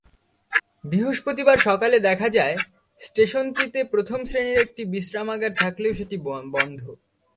বৃহস্পতিবার সকালে দেখা যায়, স্টেশনটিতে প্রথম শ্রেণির একটি বিশ্রামাগার থাকলেও সেটি বন্ধ।